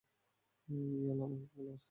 ইয়াল, আমাকে খুব ভালোবাসতো।